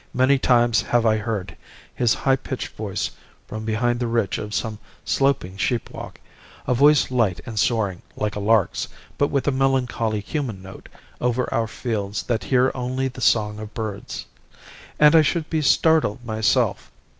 Many times have I heard his high pitched voice from behind the ridge of some sloping sheep walk, a voice light and soaring, like a lark's, but with a melancholy human note, over our fields that hear only the song of birds. And I should be startled myself.